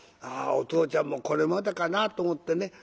「ああおとうちゃんもこれまでかな」と思ってね